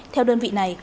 theo đơn vị này